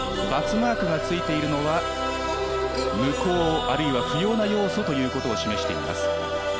バツマークがついているのは無効、あるいはは不要な要素ということを示しています。